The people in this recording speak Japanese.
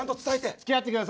つきあって下さい。